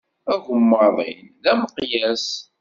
Agemmaḍ-in d ameqyas.